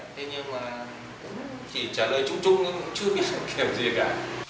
thế nhưng mà cũng chỉ trả lời chung chung chứ không biết kiểu gì cả